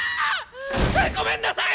ごめんなさい！